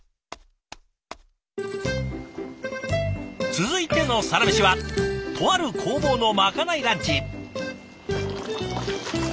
続いてのサラメシはとある工房のまかないランチ。